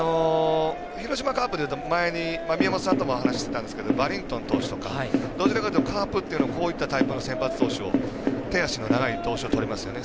広島カープでいうと宮本さんとも話していたんですけどバリントン投手とかどちらかというとカープというのはこういったタイプの先発投手を手足の長い投手をとりますよね。